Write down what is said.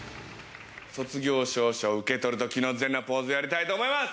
卒業証書を受け取る時の全裸ポーズをやりたいと思います。